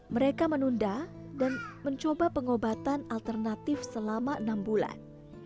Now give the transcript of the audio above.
mereka menunda dan mencoba pengobatan alternatif selama enam bulan